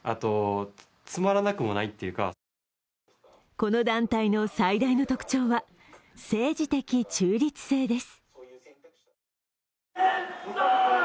この団体の最大の特徴は、政治的中立性です。